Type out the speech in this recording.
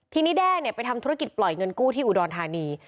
ทีนี้แด้ไปทำธุรกิจปล่อยเงินกู้ที่อุดรธานี